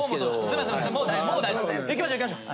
いきましょういきましょう。